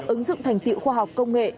ứng dụng thành tiệu khoa học công nghệ